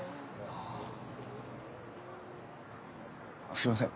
すみません